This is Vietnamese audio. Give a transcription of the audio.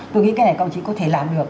tôi nghĩ cái này công chí có thể làm được